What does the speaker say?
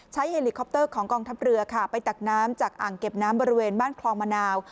เฮลิคอปเตอร์ของกองทัพเรือค่ะไปตักน้ำจากอ่างเก็บน้ำบริเวณบ้านคลองมะนาว